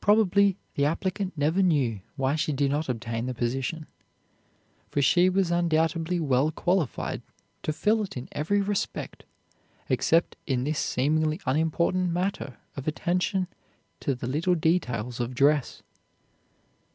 Probably the applicant never knew why she did not obtain the position, for she was undoubtedly well qualified to fill it in every respect, except in this seemingly unimportant matter of attention to the little details of dress.